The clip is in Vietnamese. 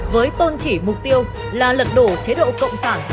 với tôn chỉ mục tiêu là lật đổ chế độ cộng sản